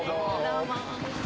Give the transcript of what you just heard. どうも。